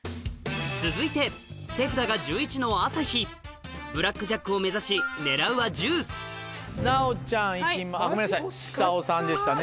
続いて手札が１１の朝日ブラックジャックを目指し狙うは１０奈央ちゃんあっごめんなさいひさおさんでしたね。